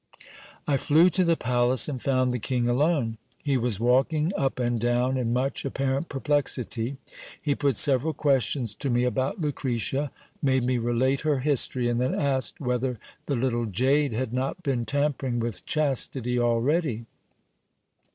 I flew to the palace, and found the king alone. He was walking up and ! down, in much apparent perplexity. He put several questions to me about j Lucretia, made me relate her history, and then asked whether the little jade had not been tampering with chastity already.